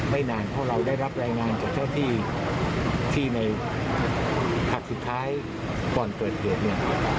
ไม่นานพระเราได้รับแรงงานก็พอที่ในขับสุดท้ายก่อนจอดเหตุเนี่ย